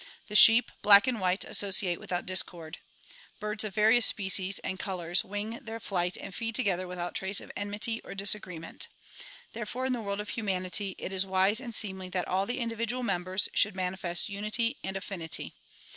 The sheep, black and white, associate without discord. Birds of various species and colors wing their flight and feed together without trace of enmity or disagreement. Therefore in the world of humanity it is wise and seemly that all the individual members should manifest unity and affinity.